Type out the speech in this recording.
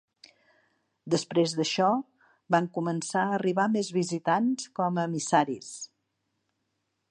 Després d'això, van començar a arribar més visitants com a emissaris.